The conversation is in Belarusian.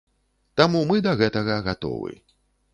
Таму мы да гэтага гатовы.